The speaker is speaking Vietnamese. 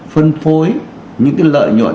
phân phối những cái lợi nhuận